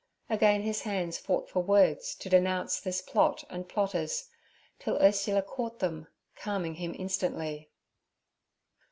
Again his hands fought for words to denounce this plot and plotters, till Ursula caught them, calming him instantly.